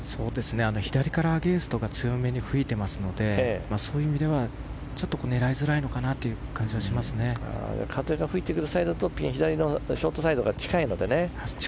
左からアゲンストが強めに吹いていますのでそういう意味では狙いづらいのかなという風が吹いてくるサイドだとピン左のショートサイドが近いのでね。